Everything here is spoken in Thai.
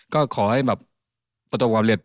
ก็ขอให้ประตูปกรณ์เร็จ